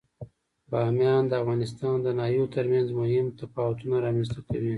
بامیان د افغانستان د ناحیو ترمنځ مهم تفاوتونه رامنځ ته کوي.